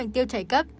tiêu chảy cấp